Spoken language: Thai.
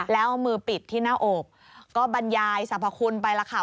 แล้วเอามือปิดที่หน้าอกก็บรรยายสรรพคุณไปแล้วค่ะ